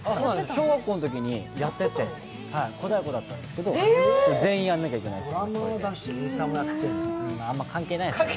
小学校のときにやってて、小太鼓だったんですけど、全員やんなきゃいけないんです。